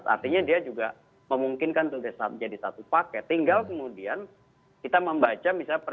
artinya dia juga memungkinkan untuk menjadi satu paket tinggal kemudian kita membaca misalnya